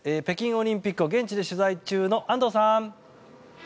北京オリンピックを現地で取材中の安藤さん。